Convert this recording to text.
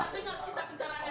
ketika kita pencarian